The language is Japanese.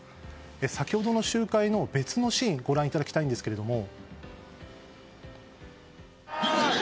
先ほどの集会の別のシーンをご覧いただきたいんですけども。